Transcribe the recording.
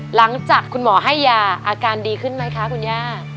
หลังจากคุณหมอให้ยาอาการดีขึ้นไหมคะคุณย่า